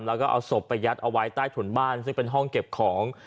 แล้วก็เอาศพไปยัดเอาไว้ใต้ถุนบ้านซึ่งเป็นห้องเก็บของ